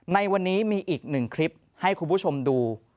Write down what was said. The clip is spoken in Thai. ในวันนี้มีอีกหนึ่งคลิปให้คุณผู้ชมดู